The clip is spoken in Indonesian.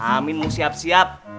amin mu siap siap